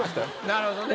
なるほどね。